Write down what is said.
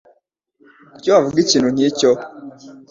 Kuki wavuga ikintu nkicyo?